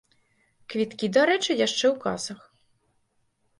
Квіткі, дарэчы, яшчэ ў касах.